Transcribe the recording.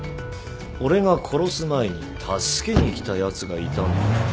俺が殺す前に助けに来たやつがいたんだ